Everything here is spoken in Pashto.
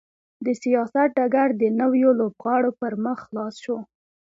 د سیاست ډګر د نویو لوبغاړو پر مخ خلاص شو.